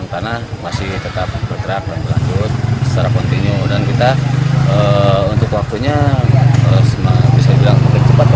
tanah masih tetap bergerak lanjut secara kontinu dan kita untuk waktunya bisa bilang cepat